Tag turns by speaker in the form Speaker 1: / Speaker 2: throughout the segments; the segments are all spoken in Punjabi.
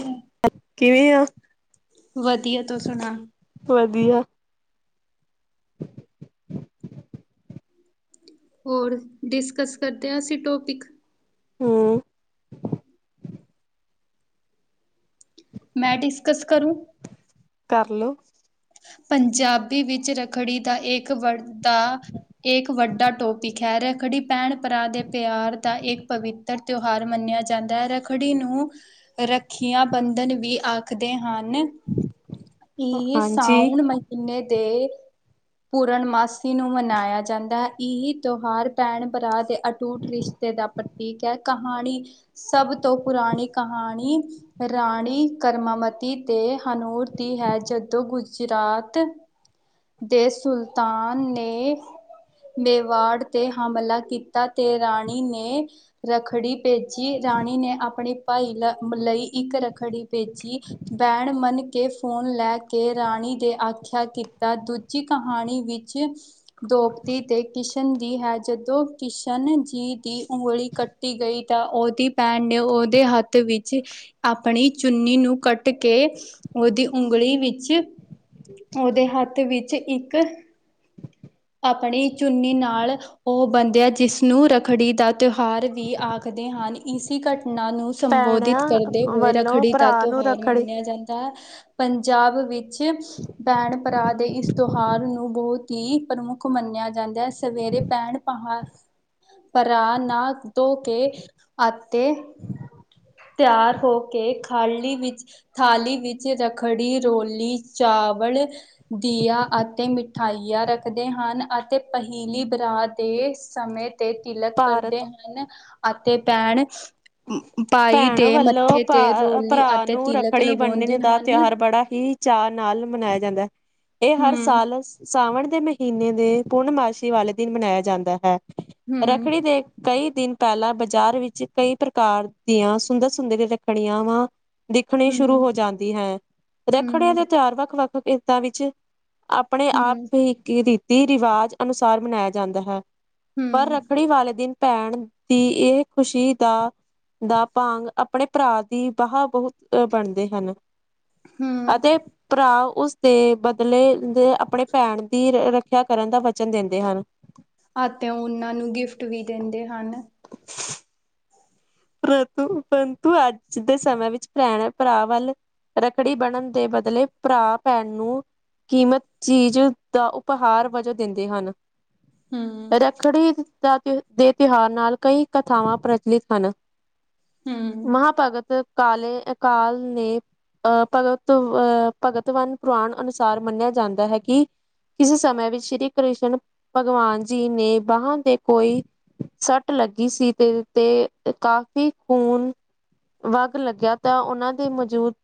Speaker 1: ਹ
Speaker 2: ਕਿਵੇਂ ਆ?
Speaker 1: [unintelligible] ਵਧੀਆ, ਤੂੰ ਸੁਣਾ।
Speaker 2: ਵਧੀਆ
Speaker 1: ਹੋਰ ਡਿਸਕਸ ਕਰਦੇ ਹਾਂ, ਅਸੀ ਟੋਪਿਕ।
Speaker 2: ਹਮ।
Speaker 1: ਮੈਂ ਡਿਸਕਸ ਕਰੂੰ।
Speaker 2: ਕਰਲੋ।
Speaker 1: ਪੰਜਾਬੀ ਵਿੱਚ ਰੱਖੜੀ ਦਾ ਇੱਕ ਵਰਦਾ, ਇੱਕ ਵੱਡਾ ਟੋਪਿਕ ਹੈ ਰੱਖੜੀ ਭੈਣ- ਭਰਾ ਦੇ ਪਿਆਰ ਦਾ ਇੱਕ ਪਵਿੱਤਰ ਤਿਉਹਾਰ ਮੰਨਿਆ ਜਾਂਦਾ ਹੈ, ਰੱਖੜੀ ਨੂੰ ਰੱਖੀਆਂ ਬੰਧਨ ਵੀ ਆਖਦੇ ਹਨ। [unintelligible]
Speaker 2: ਹਾਂਜੀ।
Speaker 1: ਸਾਊਣ ਮਹੀਨੇ ਦੇ ਪੂਰਨਮਾਸੀ ਨੂੰ ਮਨਾਇਆ ਜਾਂਦਾ ਹੈ, ਇਹ ਤਿਉਹਾਰ ਭੈਣ ਭਰਾ ਦੇ ਅਟੂਟ ਰਿਸ਼ਤੇ ਦਾ ਪ੍ਰਤੀਕ ਹੈ। ਕਹਾਣੀ, ਸਭ ਤੋਂ ਪੁਰਾਣੀ ਕਹਾਣੀ ਰਾਣੀ ਕਰਮਾਮਤੀ ਤੇ ਹਨੂਰ ਦੀ ਹੈ ਜਦੋਂ ਗੁਜ ਗੁਜਰਾਤ ਦੇ ਸੁਲਤਾਨ ਨੇ ਮੇਵਾੜ ਤੇ ਹਮਲਾ ਕੀਤਾ ਤੇ ਰਾਣੀ ਨੇ ਰੱਖੜੀ ਭੇਜੀ। ਰਾਣੀ ਨੇ ਆਪਣੀ ਭਾਈ ਮਲਾਈ ਇੱਕ ਰਖੜੀ ਭੇਜੀ ਬੈਣ ਮਨ ਕੇ ਫੋਨ ਲੈ ਕੇ ਰਾਣੀ ਦੇ ਆਖਿਆ ਦੂਜੀ ਕਹਾਣੀ ਵਿੱਚ ਦੋਪਤੀ ਤੇ ਕਿਸ਼ਨ ਦੀ ਹੈ, ਜਦੋਂ ਕਿਸ਼ਨ ਜੀ ਦੀ ਉਂਗਲੀ ਕੱਟੀ ਗਈ, ਤਾਂ ਉਹਦੀ ਭੈਣ ਨੇ ਉਹਦੇ ਹੱਥ ਵਿੱਚ ਆਪਣੀ ਚੁੰਨੀ ਨੂੰ ਕੱਟ ਕੇ ਉਹਦੀ ਉਂਗਲੀ ਵਿੱਚ ਉਹਦੇ ਹੱਥ ਵਿੱਚ ਇੱਕ ਆਪਣੀ ਚੁੰਨੀ ਨਾਲ ਉਹ ਬੰਦਿਆ, ਜਿਸਨੂੰ ਰੱਖੜੀ ਦਾ ਤਿਉਹਾਰ ਵੀ ਆਖਦੇ ਹਨ। ਇਸ ਘ ਨਾਂ ਨੂੰ ਸੰਬੋਧਿਤ
Speaker 2: ਭੈਣਾਂ
Speaker 1: ਕਰਦੇ ਹੋਏ
Speaker 2: ਵੱਲੋਂ
Speaker 1: ਰੱਖੜੀ ਦਾ
Speaker 2: ਭਰਾ ਨੂੰ
Speaker 1: ਤਿਉਹਾਰ
Speaker 2: ਰੱਖੜੀ
Speaker 1: ਮੰਨਿਆ ਜਾਂਦਾ ਹੈ। ਪੰਜਾਬ ਵਿੱਚ ਭੈਣ ਭਰਾ ਭਰਾ ਦੇ ਇਸ ਤਿਉਹਾਰ ਨੂੰ ਬਹੁਤ ਹੀ ਪ੍ਰਮੁੱਖ ਮੰਨਿਆ ਜਾਂਦਾ ਹੈ। ਸਵੇਰੇ ਭੈਣ-, ਭਰਾ ਨਾ ਧੋ ਕੇ, ਅਤੇ ਤਿਆਰ ਹੋ ਕੇ, ਥਾਲੀ ਵਿੱਚ ਰੱਖੜੀ, ਰੋਲੀ ਚਾਵਲ, ਦੀਆ ਅਤੇ ਮਿਠਾਈਆਂ ਰ ਰਦੇ ਹਨ। ਅਤੇ ਪਹਿਲੀ ਬਰਾਤ ਦੇ ਸਮੇਂ ਤੇ ਤਿਲਕ
Speaker 2: ਭਾਰਤ
Speaker 1: ਕਰਦੇ ਹਨ। ਅਤੇ ਭੈਣ ਭਾਈ
Speaker 2: ਭੈਣ
Speaker 1: ਦੇ
Speaker 2: ਵੱਲੋਂ
Speaker 1: ਮੱਥੇ ਤੇ
Speaker 2: ਭਾ,
Speaker 1: ਰੋਲੀ
Speaker 2: ਭਰਾ
Speaker 1: ਅਤੇ
Speaker 2: ਨੂੰ
Speaker 1: ਤਿਲਕ
Speaker 2: ਰੱਖੜੀ
Speaker 1: ਲਗਾਉਂਦੀ
Speaker 2: ਬੰਨਣ ਦਾ
Speaker 1: ਹਨ
Speaker 2: ਤਿਓਹਾਰ ਬੜਾ ਹੀ ਚਾ ਨਾਲ ਮਨਾਏਆ ਜਾਂਦਾ ਏ ਹਰ
Speaker 1: ਹੂੰ,
Speaker 2: ਸਾਲਸ ਸਾਵਣ ਦੇ ਮਹੀਨੇ ਦੇ ਪੂਰਨਮਾਸ਼ੀ ਵਾਲੇ ਦਿਨ ਮਨਾਏਆ ਜਾਂਦਾ ਹੈ।
Speaker 1: ਹੂੰ,
Speaker 2: ਰੱਖੜੀ ਦੇ ਕਈ ਦਿਨ ਪਹਿਲਾਂ ਬਾਜ਼ਾਰ ਵਿੱਚ ਕਈ ਕਾਰ ਦੀਆਂ ਸੁੰਦਰ ਸ [unintelligible] ਵਾਂ ਦਿਖਣੀ
Speaker 1: ਹੂੰ,
Speaker 2: ਸ਼ੁਰੂ ਹੋ ਜਾਂਦੀ ਹੈ, ਰੱਖੜੇਆਂ
Speaker 1: ਹੂੰ,
Speaker 2: ਦੇ ਤੇਓਾਰ ਵੱਖ- ਵੱਖ [unintelligible] ਦਾਂ ਵਿੱਚ ਆਪਣੇ ਆਪ
Speaker 1: ਹੂੰ,
Speaker 2: [unintelligible] ਤੀ ਰਿਵਾਜ਼ ਅਨੁਸਾਰ ਮਨਾਇਆ ਜਾਂਦਾ ਹੈ। ਪਰ
Speaker 1: ਹੂੰ,
Speaker 2: ਰੱਖੜੀ ਵਾਲੇ ਦਿਨ ਭੈਣ ਦੀ, ਇਹ ਖ਼ੁਸ਼ੀ ਦਾ ਦਾ ਭਾਂਗ, ਆਪਣੇ ਭਰਾ ਦੀ ਬਹਾ ਬਹੁਤ ਬਣਦੇ ਹਨ।
Speaker 1: ਹੂੰ
Speaker 2: ਅਤੇ ਭਰਾ। ਉਸਦੇ ਬਦਲੇ, ਆਪਣੇ ਭੈਣ ਦੀ ਰੱਖਿਆ ਕਰਨ ਦਾ ਵਚਨ ਦਿੰਦੇ ਹਨ।
Speaker 1: ਅਤੇ ਉਹਨਾਂ ਨੂੰ ਗਿਫਟ ਵੀ ਦਿੰਦੇ ਹਨ।
Speaker 2: [unintelligible] [unintelligible] ਅੱਜ ਦੇ ਸਮੇਂ ਵਿੱਚ ਭੈਣ ਭਰਾ ਵੱਲ ਰੱਖੜੀ ਬਣਨ ਦੇ ਬਦਲੇ, ਭਰਾ ਭੈਣ ਨੂੰ ਕੀਮਤ ਚੀਜ਼ ਦਾ ਉਪਹਾਰ ਵਜੋਂ ਦਿੰਦੇ ਹਨ।
Speaker 1: ਹੂੰ,
Speaker 2: ਰੱਖੜੀ ਦੇ ਤਿਉਹਾਰ ਨਾਲ, ਕਈ ਕਥਾਵਾਂ ਪ੍ਰਚਲਿਤ ਹਨ।
Speaker 1: ਹੂੰ,
Speaker 2: ਮਹਾਭਗਤ ਕਾਲੇ ਅਕਾਲ ਨੇ, ਅ ਭਗਤ ਅਹ ਭਗਤਵਾਨ ਪੁਰਾਣ ਅਨੁਸਾਰ ਮੰਨਿਆ ਜਾਂਦਾ ਹੈ ਕਿ ਕਿਸੇ ਸਮੇ ਵਿੱਚ ਸ਼੍ਰੀ ਕ੍ਰਿਸ਼ਨ ਭਗਵਾਨ ਜੀ ਨੇ ਬਾਹ ਦੇ ਕੋਈ ਸੱਟ ਲੱਗੀ ਸੀ ਤੇ ਕਾਫ਼ੀ ਖੂਨ ਵਗ ਲੱਗਿਆ ਤਾਂ ਉਹਨਾਂ ਦੇ ਮੌਜੂਦ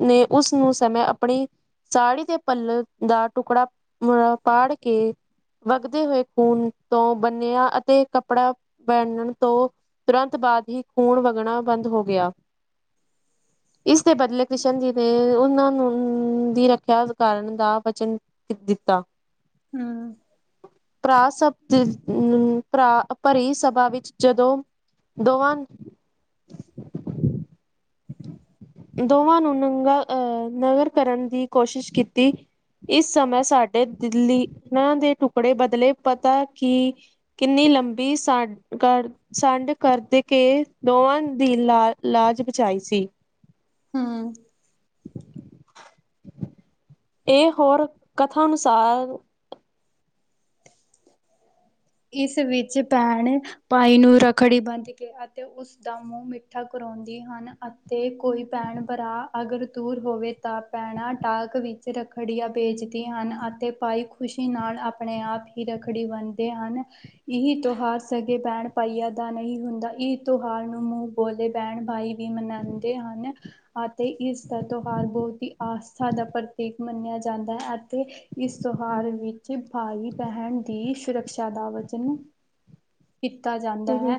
Speaker 2: ਨੇ, ਉਸਨੂੰ ਸਮੇਂ ਆਪਣੀ ਸਾੜੀ ਦੇ ਪਲ ਦਾ ਟੁਕੜਾ ਪਾੜ ਕੇ, ਵਗਦੇ ਹੋਏ ਖੂਨ ਤੋਂ ਬੰਨਿਆ ਅਤੇ ਕੱਪੜਾ ਪਹਿਨਣ ਤੋਂ ਤੁਰੰਤ ਬਾਅਦ ਹੀ ਖੂਨ ਵਗਣਾ ਬੰਦ ਹੋ ਗਿਆ। ਇਸ ਦੇ ਬਦਲੇ ਕ੍ਰਿਸ਼ਨ ਜੀ ਨੇ ਉਹਨਾਂ ਨੂੰ ਦੀ ਰੱਖਿਆ ਕਰਨ ਦਾ ਵਚਨ ਦਿੱਤਾ।
Speaker 1: ਹਮ
Speaker 2: ਭਰਾ ਸਭ ਅ ਭਰਾ, ਭਰੀ ਸਭਾ ਵਿੱਚ ਜਦੋਂ ਦੋਵਾਂ, ਦੋਵਾਂ ਨੂੰ ਨੰਗਾ, ਅਹ ਨਗਰ ਕਰਨ ਦੀ ਕੋਸ਼ਿਸ਼ ਕੀਤੀ। ਇਸ ਸਮੇਂ ਸਾਡੇ ਦਿੱਲੀ ਨਾਂ ਦੇ ਟੁਕੜੇ ਬਦਲੇ ਪਤਾ ਕਿ ਕਿੰਨੀ ਲੰਬੀ ਸਾ ਸੰਡ ਕਰਦ ਕੇ ਦੋਵਾਂ ਦੀ ਲਾ ਲਾਜ ਬਚਾਈ ਸੀ।
Speaker 1: ਹਾਂ
Speaker 2: ਇਹ ਹੋਰ ਕਥਾ ਅਨੁਸਾਰ
Speaker 1: ਇਸ ਵਿੱਚ ਭੈਣ ਭਾਈ ਨੂੰ ਰੱਖੜੀ ਬੰਧ ਕੇ ਅਤੇ ਉਸਦਾ ਮੂੰਹ ਮਿੱਠਾ ਕਰਵਾਉਂਦੀ ਹਨ। ਅਤੇ ਕੋਈ ਭੈਣ ਭਰਾ ਅਗਰ ਦੂਰ ਹੋਵੇ ਤਾਂ ਭੈਣਾਂ ਟਾਕ ਵਿੱਚ ਰੱਖੜੀਆਂ ਵੇਚਦੀ ਹਨ ਅਤੇ ਭਾਈ ਖੁਸ਼ੀ ਨਾਲ ਆਪਣੇ ਆਪ ਹੀ ਰੱਖੜੀ ਬੰਨਦੇ ਇਹ ਤਿਉਹਾਰ ਸੇ ਬੈਣ ਭਾਈਆਂ ਦਾ ਨਹੀਂ ਹੁੰਦਾ ਇਹ ਤਿਉਹਾਰ ਨੂੰ ਮੂੰਹ ਬੋਲੇ ਬੈਣ ਭਾਈ ਵੀ ਮਨਾਉਦੇ ਹਨ ਅਤੇ ਇਸ ਦਾ ਤਿਉਹਾਰ ਬਹੁਤ ਹੀ ਆਸਥਾ ਦਾ ਪ੍ਰਤੀਕ ਮੰਨਿਆ ਜਾਂਦਾ ਹੈ ਅਤੇ ਇਸ ਤਿਉਹਾਰ ਵਿੱਚ ਭਾਈ ਬਹਿਣ ਦੀ ਸੁਰ ਚਾਦਾ ਵਚਨ ਕੀਤਾ ਜਾਂਦਾ
Speaker 2: ਹੂੰ
Speaker 1: ਹੈ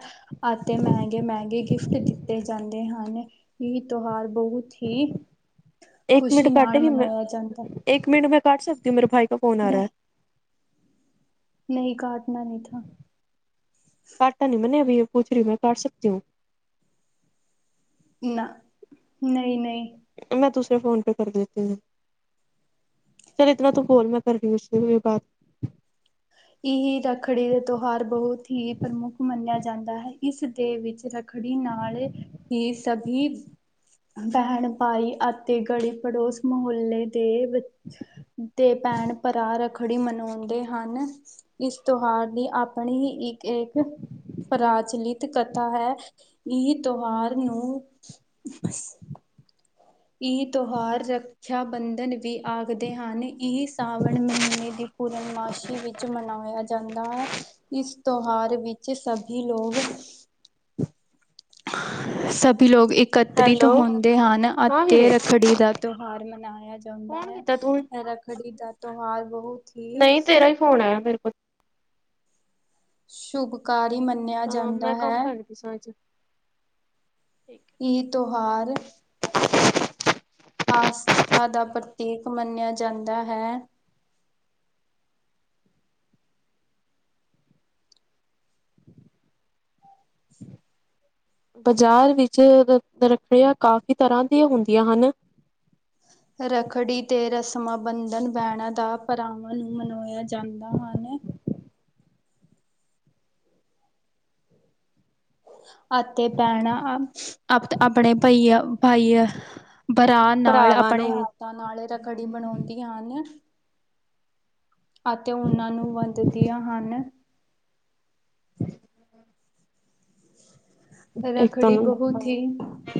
Speaker 1: ਅਤੇ ਮਹਿੰਗੇ ਮਹਿੰਗੇ ਗਿਫਟ ਦਿੱਤੇ ਜਾਂਦੇ ਹਨ। ਹਨ। ਇ ਤਿਉਹਾਰ ਬਹੁਤ ਹੀ
Speaker 2: ਇੱਕ ਮਿੰਟ
Speaker 1: ਖੁਸ਼ੀ ਨਾਲ ਮਨਾਇਆ ਜਾਂਦਾ
Speaker 2: [unintelligible] ਸਕਦੇ ਹੋ ਮੇਰੇ ਭਾਈ ਫੋਨ ਆ
Speaker 1: ਨਹੀਂ ਨਹੀਂ ਘਾਟ [inaudible]
Speaker 2: ਪੁੱਛ ਰਹੀ ਮੈਂ ਕਰ ਸਕਦੀ ਹ
Speaker 1: ਨਾ ਨਹੀਂ ਨਹੀਂ
Speaker 2: ਫੋਨ ਪੇ ਕਰਦੇ ਤੇ ਪਚੱਲ ਇਤਨਾ ਤੂੰ ਬੋਲ ਮੈਂ ਕਰ ਬਾਤ
Speaker 1: ਇਹ ਰੱਖੜੀ ਦਾ ਤਿਉਹਾਰ ਬਹੁਤ ਹੀ ਪ੍ਰਮੁੱਖ ਮੰਨਿਆ ਜਾਂਦਾ ਹੈ ਇਸ ਦੇ ਵਿੱਚ ਰੱਖੜੀ ਨਾਲ ਹੀ ਸਭੀ ਬਹਿਣ ਭਾਈ ਅਤੇ ਗੜੀ ਪੜੋਸ ਮੁਹੱਲੇ ਦੇ ਤੇ ਭੈਣ ਭਰਾ ਰੱਖ ਖੜੀ ਮਨਾਉਂਦੇ ਹਨ ਇਸ ਤਿਉਹਾਰ ਦੀ ਆਪਣੀ ਹੀ ਇੱਕ ਇੱਕ ਪ੍ਰਚਲਿਤ ਕਥਾ ਹੈ ਇਹ ਤਿਉਹਾਰ ਨੂੰ ਇਹ ਤਿਉਹਾਰ ਰੱਖਿਆ ਬੰਧਨ ਵੀ ਆਖਦੇ ਹਨ ਇਹ ਸਾਵਣ ਮਹੀਨੇ ਦੀ ਪੂਰਨਮਾਸ਼ੀ ਵਿੱਚ ਮਨਾਇਆ ਜਾਂਦਾ ਹੈ ਇਸ ਤਿਉਹਾਰ ਵਿੱਚ ਸਭੀ ਲੋਕ ਸਭ ਲੋਕ ਇਸ ਇਕਤਰਿਤ ਹੁੰਦੇ ਹਨ ਅਤੇ ਰੱਖੜੀ ਦਾ ਤਿਉਹਾਰ ਮਨਾਇਆ ਜਾਂਦਾ ਹੈ ਰੱਖੜੀ ਦਾ ਤਿਉਹਾਰ ਬਹੁਤ ਹੀ
Speaker 2: ਨਹੀਂ ਤੇਰਾ ਹੀ ਫੋਨ ਆਇਆ ਮੇਰੇ ਕੋਲ
Speaker 1: ਸ਼ੁਭਕਾਰ ਮੰਨਿਆ
Speaker 2: ਹਾਂ
Speaker 1: ਜਾਂਦਾ
Speaker 2: ਮੈਂ ਕੰਮ
Speaker 1: ਹੈ
Speaker 2: ਕਰ ਰਹੀ ਸਾਂ ਅੱਜ
Speaker 1: ਇਹ ਤਿਉਹਾਰ ਆਸਥਾ ਦਾ ਪ੍ਰਤੀਕ ਮੰਨਿਆ ਜਾਂਦਾ ਹੈ
Speaker 2: ਬਾਜ਼ਾਰ ਵਿੱਚ ਰੱਖੜੀਆ ਕਾਫ਼ੀ ਤਰ੍ਹਾਂ ਦੀਆਂ ਹੁੰਦੀਆਂ ਹਨ
Speaker 1: ਰੱਖੜੀ ਤੇ ਰਸਮਾਂ ਬੰਧਨ ਬੈਣਾਂ ਦਾ ਭਰਾਵਾਂ ਨੂੰ ਮਨਾਇਆ ਜਾਂਦਾ ਹਨ ਹ ਅਤੇ ਭੈਣਾਂ ਅ ਆਪਣੇ ਭਾਈ ਭਾਈ ਬਰਾ ਨਾਲ
Speaker 2: ਭਰਾਵਾਂ
Speaker 1: ਆਪਣੇ
Speaker 2: ਨੂੰ
Speaker 1: ਹੱਥਾਂ ਨਾਲ ਰੱਖੜੀ ਬਣਾਉਂਦੀਆਂ ਹਨ ਅਤੇ ਉਹਨਾਂ ਨੂੰ ਵੱਧ ਦੀਆਂ ਹਨ
Speaker 2: [inaudible] ਇੱਕਤ
Speaker 1: ਰੱਖੜੀ ਬਹੁਤ ਹੀ
Speaker 2: ਨਾ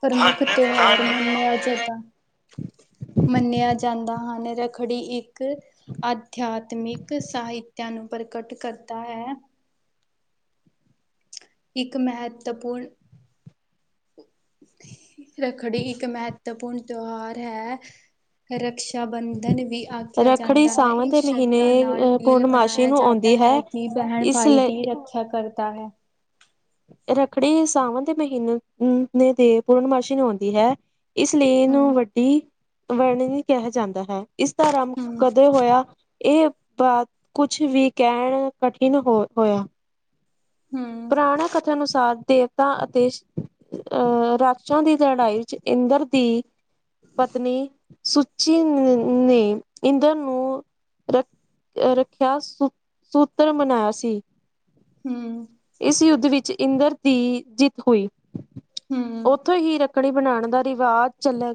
Speaker 1: ਪ੍ਰਮੁੱਖ ਤਿਉਹਾਰ ਮੰਨਿਆ ਜਾਂਦਾ ਮੰਨਿਆ ਜਾਂਦਾ ਹਨ ਰੱਖੜੀ ਇੱਕ ਅਧਿਆਤਮਿਕ ਸਾਹਿਤਿਆ ਨੂੰ ਪ੍ਰਗਟ ਕਰਦਾ ਹੈ ਇੱਕ ਮਹੱਤਵਪੂਰਨ ਰੱਖੜੀ ਇੱਕ ਮਹੱਤਵਪੂਰਨ ਤਿਉਹਾਰ ਹੈ ਰਾ ਬੰਧਨ ਵੀ ਆਖਿਆ
Speaker 2: ਰੱਖੜੀ
Speaker 1: ਜਾਂਦਾ ਹੈ
Speaker 2: ਸਾਵਣ ਦੇ
Speaker 1: ਇਸ
Speaker 2: ਮਹੀਨੇ
Speaker 1: ਸ਼ਬਦਾਂ ਨਾਲ
Speaker 2: ਅ
Speaker 1: ਮੇਲ
Speaker 2: ਪੂਰਨਮਾਸ਼ੀ
Speaker 1: ਬਣਾਇਆ
Speaker 2: ਨੂੰ
Speaker 1: ਜਾਂਦਾ
Speaker 2: ਆਉਂਦੀ
Speaker 1: ਹੈ ਕਿ ਬਹਿਣ
Speaker 2: ਇਸ
Speaker 1: ਭਾਈ ਦੀ
Speaker 2: ਲਈ
Speaker 1: ਰੱਖਿਆ ਕਰ ਹੈ
Speaker 2: ਰੱਖੜੀ ਸਾਵਣ ਦੇ ਮਹੀਨੇ ਦੇ ਪੂਰਨਮਾਸ਼ੀ ਨੂੰ ਆਉਂਦੀ ਹੈ ਇਸ ਲਈ ਇਹਨੂੰ
Speaker 1: ਹਮ
Speaker 2: ਵੱਡੀ ਵਰਣਨੀ ਕਿਹਾ ਜਾਂਦਾ ਹੈ ਇਸਦਾ ਆਰੰਭ
Speaker 1: ਹਮ
Speaker 2: ਕਦੇ ਹੋਇਆ ਇਹ ਬਾ ਕੁਛ ਵੀ ਕਹਿਣ ਕਠਿਨ ਹੋ ਹੋਇਆ
Speaker 1: ਹਮ
Speaker 2: ਪੁਰਾਣ ਕਥਾ ਅਨੁਸਾਰ ਦੇਵਤਾ ਅਤੇ ਅਹ ਰਾਜ ਾਂ ਦੀ ਲੜਾਈ ਵਿੱਚ ਇੰਦਰ ਦੀ ਪਤਨੀ ਸੁਚੀ ਨੇ ਇੰਦਰ ਨੂੰ ਰੱਖ ਰੱਖਿਆ ਸੂ ਸੂਤਰ ਬਨਾਇਆ ਸੀ
Speaker 1: ਹਮ
Speaker 2: ਇਸ ਯੁੱਧ ਵਿੱਚ ਇੰਦਰ ਦੀ ਜਿੱਤ ਹੋਈ
Speaker 1: ਹਮ
Speaker 2: ਉੱਥੋਂ ਹੀ ਰੱਖ ੱਕੜੀ ਬਣਾਉਣ ਦਾ ਰਿਵਾਜ਼ ਚੱਲਿਆ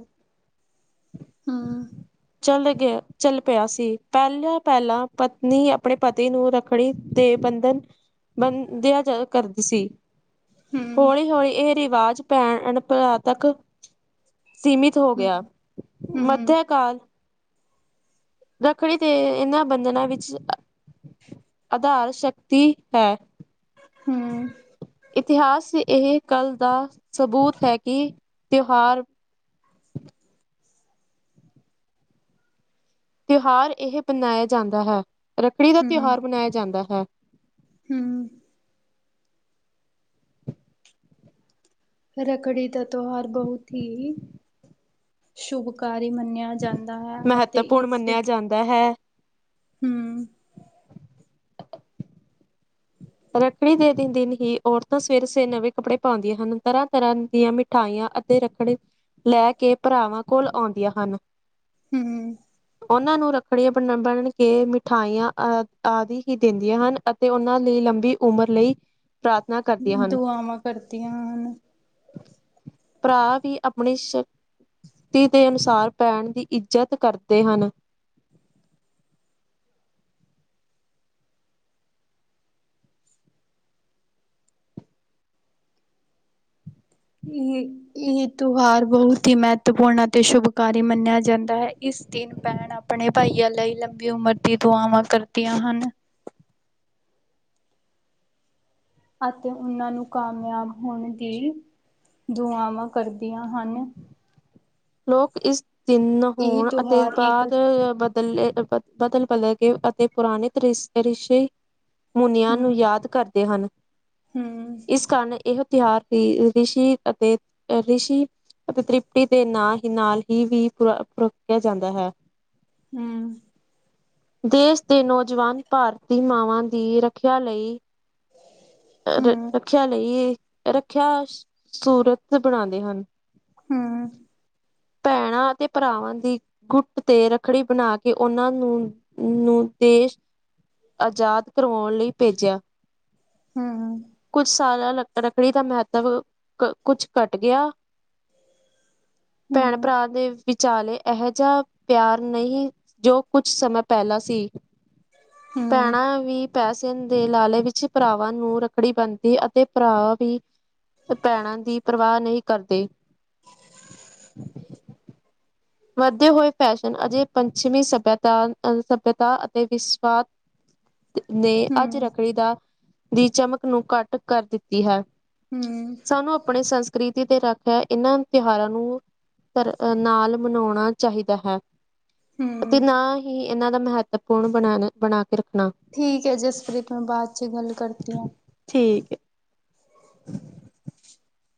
Speaker 1: ਹਾਂ
Speaker 2: ਚੱਲ ਗਿਆ ਚੱਲ ਪਿਆ ਸੀ, ਪਹਿਲਾਂ ਪਹਿਲਾਂ ਪਤਨੀ ਆਪਣੇ ਪਤੀ ਨੂੰ ਰੱਖੜੀ ਦੇ ਬੰਧਨ ਬੰ ਦਿਆ ਜਾ ਕਰਦੀ ਸੀ
Speaker 1: ਹਮ
Speaker 2: ਹੋੌਲੀ ਹੌਲੀ ਇਹ ਆਵਾਜ਼ ਪੈਣ ਪਰਾ ਤੱਕ ਸੀਮਿਤ ਹੋ
Speaker 1: ਹਮ
Speaker 2: ਗਿਆ,
Speaker 1: ਹਮ
Speaker 2: ਮੱਧਿਆ ਕਾਲ ਰੱਖੜੀ ਤੇ ਇਹਨਾਂ ਬੰਧਨਾਂ ਵਿੱਚ ਆਧਾਰ ਸ਼ਕਤੀ ਹੈ
Speaker 1: ਹਮ
Speaker 2: ਇਤਿਹਾਸ ਇਹ ਕੱਲ ਦਾ ਸਬੂਤ ਹੈ ਕਿ ਤਿਉਹਾਰ ਤਿਉਹਾਰ ਇਹ ਮਨਾਇਆ ਜਾਂਦਾ ਹੈ ਰੱਖੜੀ ਦਾ
Speaker 1: ਹਮ ਹਮ
Speaker 2: ਤਿਉਹਾਰ ਮਨਾਇਆ ਜਾਂਦਾ ਹਾਂ
Speaker 1: ਹਮ ਫ ਰੱਖੜੀ ਤ ਤਿਉਹਾਰ ਬਹੁਤ ਹੀ ਸ਼ੁਭਕਾਰ ਮੰਨਿਆ ਜਾਂਦਾ ਹੈ ਅਤੇ
Speaker 2: ਮਹੱਤਵਪੂਰਨ
Speaker 1: ਇਸ
Speaker 2: ਮੰਨਿਆ ਜਾਂਦਾ ਹੈ।
Speaker 1: ਹਮ
Speaker 2: ਰੱਖੜੀ ਦੇ ਦਿ ਦਿਨ ਹੀ ਔਰਤਾਂ ਸਵੇਰ ਸਵੇ ਨਵੇਂ ਕੱਪੜੇ ਪਾਉਂਦੀਆਂ ਹਨ ਤਰ੍ਹਾਂ ਤਰ੍ਹਾਂ ਦੀਆਂ ਮਿਠਾਈਆਂ ਅਤੇ ਰੱਖੜੀ ਲੈ ਕੇ ਭਰਾਵਾਂ ਕੋਲ ਆਉਂਦੀਆਂ ਹਨ
Speaker 1: ਹਮ
Speaker 2: ਉਹਨਾਂ ਨੂੰ ਰੱਖੜੀਆਂ ਬਣ ਬਣ ਕੇ ਮਿਠਾਈਆਂ ਆ ਆਦਿ ਹੀ ਦਿੰਦੀਆਂ ਹਨ ਅਤੇ ਉਹਨਾਂ ਲਈ ਲੰ ਵੀ ਉਮਰ ਲਈ ਪ੍ਰਾਰਥਨਾ ਕਰਦੀਆਂ ਹਨ।
Speaker 1: ਦੁਆਵਾਂ ਕਰਦੀਆਂ ਹਨਣ
Speaker 2: ਭਰਾ ਵੀ ਆਪਣੀ ਸ਼ਕਤੀ ਦੇ ਅਨੁਸਾਰ ਪੈਣ ਦੀ ਇੱਜ਼ਤ ਕਰਦੇ ਹਨ
Speaker 1: ਇਹ ਇਹ ਤਿਉਹਾਰ ਬਹੁਤ ਹੀ ਮਹੱਤਵਪੂਰਨ ਅਤੇ ਸ਼ੁਭਕਾਰੀ ਮੰਨਿਆ ਜਾਂਦਾ ਹੈ ਇਸ ਦਿਨ ਭੈਣ ਆਪਣੇ ਭਾਈਆਂ ਲਈ ਲੰਬੀ ਉਮਰ ਦੀ ਦੁਆਵਾਂ ਕਰਦੀਆਂ ਹਨ ਅਤੇ ਉਹਨਾਂ ਨੂੰ ਕਾਮਯਾਬ ਹੋਣ ਦੀ ਦੁਆਵਾਂ ਕਰਦੀਆਂ ਹਨ
Speaker 2: ਲੋਕ ਇਸ ਤਿੰਨ
Speaker 1: ਇਹ
Speaker 2: ਹੋਣ ਅਤੇ
Speaker 1: ਤਿਉਹਾਰ ਇੱਕ
Speaker 2: ਬਾਅਦ ਬਦ, ਬਦਲ ਬਲ ਗ ਅਤੇ ਪੁਰਾਣੇ ਰਿਸ਼ੇ [unintelligible] ਮੁਨਿਆਂ ਨੂੰ
Speaker 1: ਹੂੰ
Speaker 2: ਯਾਦ ਕਰਦੇ ਹਨ
Speaker 1: ਹੂੰ
Speaker 2: ਇਸ ਕਾਰਨ ਇਹ ਤਿਉਹਾਰ ਰਿਸ਼ੀ ਅਤੇ ਰਿਸ਼ੀ ਅਤੇ ਤ੍ਰਿਪੀ ਦੇ ਨਾਲ ਨਾਲ ਹੀ ਵੀ ਪ ਪਕਿਆ ਜਾਂਦਾ ਹੈ।
Speaker 1: ਹਮ
Speaker 2: ਦੇਸ ਦੇ ਨੌਜਵਾਨ, ਭਾਰਤੀ ਮਾਵਾਂ ਦੀ ਰੱਖਿਆ ਲਈ ਰ
Speaker 1: ਹੂੰ
Speaker 2: ਰੱਖਿਆ ਲਈ ਰੱਖਿਆ ਸੂਰਤ ਬਣਾਉਂਦੇ ਹਨ।
Speaker 1: ਹਮ
Speaker 2: ਭੈਣਾਂ ਅਤੇ ਭਰਾਵਾਂ ਦੀ ਗੁੱਟ ਤੇ ਰੱਖੜੀ ਬਣਾ ਕੇ, ਉਹਨਾਂ ਨੂੰ ਨੂੰ ਦੇਸ਼ ਆਜ਼ਾਦ ਕਰਵਾਉਣ ਲਈ ਭੇਜਿਆ।
Speaker 1: ਹੂੰ
Speaker 2: ਕੁਛ ਸਾਲਾ ਰੱਖੜੀ ਦਾ ਮਹੱਤਵ, ਕੁਛ ਘੱਟ ਗਿਆ।
Speaker 1: ਹੂੰ
Speaker 2: ਭੈਣ
Speaker 1: ਹੂੰ
Speaker 2: ਭਰਾ ਦੇ ਵਿਚਾਲੇ ਇਹੋ ਜਿਹਾ ਪਿਆਰ ਨਹੀਂ, ਜੋ ਕੁਝ ਸਮਾਂ ਪਹਿਲਾਂ ਸੀ। ਭੈਣਾ ਵੀ ਪੈਸੇ ਦੇ ਲਾਲੇ ਵਿੱਚ ਭਰਾਵਾਂ ਨੂੰ ਰੱਖੜੀ ਬਣਦੀ ਅਤੇ ਭਰਾ ਵੀ ਭੈਣਾਂ ਦੀ ਪਰਵਾਹ ਨਹੀਂ ਕਰਦੇ। ਵੱਧਦੇੇ ਹੋਏ ਫੈਸ਼ਨ ਅਜੇ ਪੰਛਮੀ ਸੱਭਅਤਾ ਅਹ ਸੱਭਿਤਾ ਅਤੇ ਵਿਸ਼ਵਾ ਨੇ ਅੱਜ
Speaker 1: ਹੂੰ
Speaker 2: ਰੱਖੜੀ ਦਾ ਦੀ ਚਮਕ ਨੂੰ ਘੱਟ ਕਰ ਦਿੱਤੀ ਹੈ।
Speaker 1: ਹੂੰ
Speaker 2: ਸਾਨੂੰ ਆਪਣੇ ਸੰਸਕ੍ਰਿਤੀ ਤੇ ਰੱਖਿਆ। ਇਹਨਾਂ ਤਿਉਹਾਰਾਂ ਨੂੰ ਤ ਨਾਲ ਮਨਾਉਣਾ ਚਾਹੀਦਾ ਹੈ। ਅਤੇ
Speaker 1: ਹੂੰ
Speaker 2: ਨਾ ਹੀ ਇਹਨਾਂ ਦਾ ਮਹੱਤਵਪੂਰਨ ਬਣਾਣਾ ਬਣਾ ਕੇ ਰੱਖਣਾ।
Speaker 1: ਠੀਕ ਹੈ ਜਸਪ੍ਰੀਤ, ਮੈਂ ਬਾਅਦ ਚ ਗੱਲ ਕਰਤੀ ਹਾਂ।
Speaker 2: ਠੀਕ ਹੈ। [unintelligible]